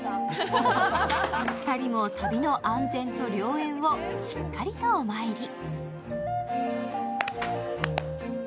２人も旅の安全と良縁をしっかりとお参り。